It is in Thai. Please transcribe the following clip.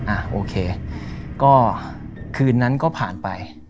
อ่ะโอเคก็คืนนั้นก็ผ่านไป